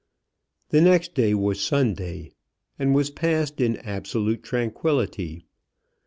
The next day was Sunday, and was passed in absolute tranquillity.